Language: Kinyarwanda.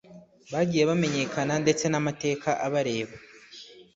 bagiye bamenyekana ndetse n’amateka abareba